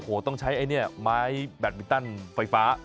โอ้โฮต้องใช้ไม้แบตมิตตั้นไฟฟ้า